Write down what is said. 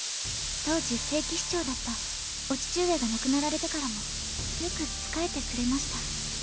当時聖騎士長だったお父上が亡くなられてからもよく仕えてくれました。